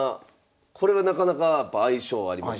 これはなかなかやっぱ相性ありますよね。